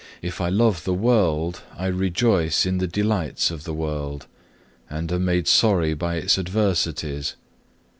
If I love the world, I rejoice in the delights of the world, and am made sorry by its adversities.